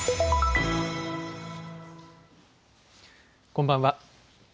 こんばんは。